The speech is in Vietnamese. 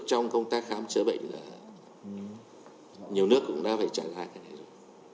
trong công tác khám chữa bệnh là nhiều nước cũng đã phải trả giá cái này rồi